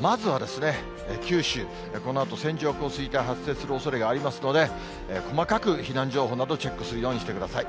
まずは九州、このあと、線状降水帯、発生するおそれがありますので、細かく避難情報など、チェックするようにしてください。